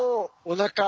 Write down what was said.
おなか。